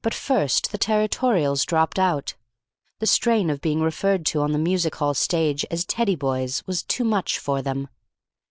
But first the Territorials dropped out. The strain of being referred to on the music hall stage as Teddy boys was too much for them.